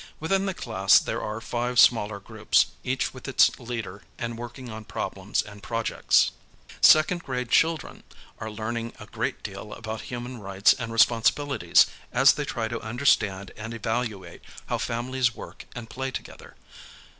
Within the class there are five smaller groups, each with its leader and working on problems and projects. Second grade children are learning a great deal about human rights and responsibilities as they try to understand and evaluate how families work and play together.